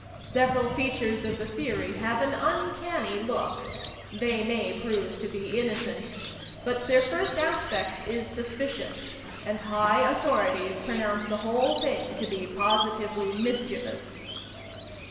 Several features of the theory have an uncanny look. They may prove to be innocent: but their first aspect is suspicious, and high authorities pronounce the whole thing to be positively mischievous.